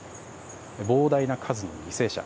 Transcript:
膨大な数の犠牲者。